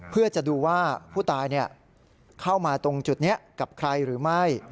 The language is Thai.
เพื่อจะดูว่าผู้ตายเข้ามาตรงจุดนี้กับใครหรือไม่